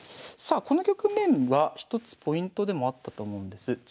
さあこの局面は一つポイントでもあったと思うんです。